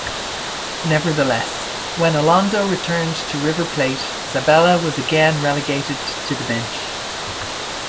Nevertheless, when Alonso returned to River Plate, Sabella was again relegated to the bench.